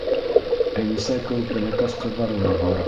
Әнисә кеүек бәләкәс ҡыҙҙары ла бар.